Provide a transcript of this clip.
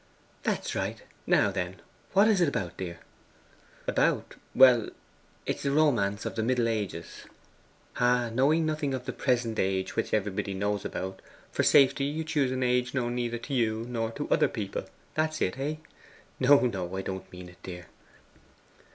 'That's right. Now, then, what is it about, dear?' 'About well, it is a romance of the Middle Ages.' 'Knowing nothing of the present age, which everybody knows about, for safety you chose an age known neither to you nor other people. That's it, eh? No, no; I don't mean it, dear.